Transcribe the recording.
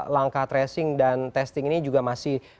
langkah tracing dan testing ini juga masih